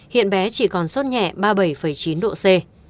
hiện bé chỉ còn sốt nhẹ ba mươi bảy chín độ c